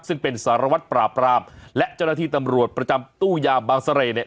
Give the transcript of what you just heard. ซึ่งเป็นสารวัตรปราบรามและเจ้าหน้าที่ตำรวจประจำตู้ยามบางเสร่เนี่ย